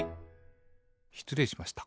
しつれいしました。